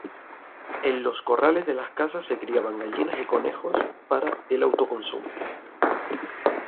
En los corrales de las casas se criaban gallinas y conejos para el autoconsumo.